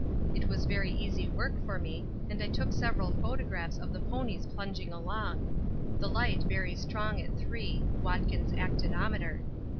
It was very easy work for me and I took several photographs of the ponies plunging along the light very strong at 3 (Watkins actinometer).